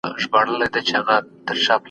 ولي نور انسانان نلري؟